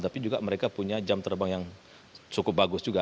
tapi juga mereka punya jam terbang yang cukup bagus juga